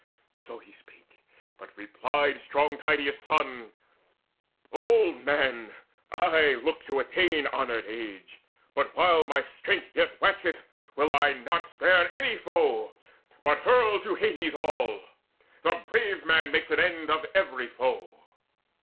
So spake he; but replied strong Tydeus' son: "Old man, I look to attain to honoured age; But while my Strength yet waxeth, will not I Spare any foe, but hurl to Hades all. The brave man makes an end of every foe."